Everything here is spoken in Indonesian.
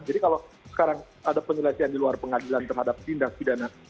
jadi kalau sekarang ada penjelasan di luar pengadilan terhadap tindak pidana biasa